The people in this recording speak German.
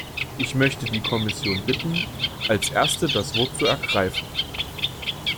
Ich möchte die Kommission bitten, als Erste das Wort zu ergreifen.